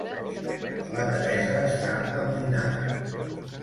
La Teresa està amoïnada.